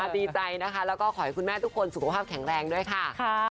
ดีใจนะคะแล้วก็ขอให้คุณแม่ทุกคนสุขภาพแข็งแรงด้วยค่ะ